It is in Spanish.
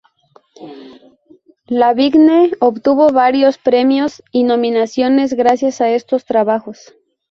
Lavigne obtuvo varios premios y nominaciones gracias a estos trabajos.